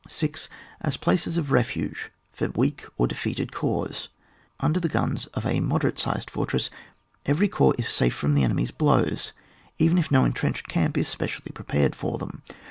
6. As places of refuse for weak or defeated corps. Under the guns of a moderate sized fortress every corps is safe from the enemy's blows, even if no entrenched camp is specially prepared for them.